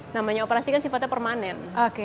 namanya operasi kan sifatnya permanen